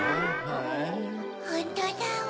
ホントだわ。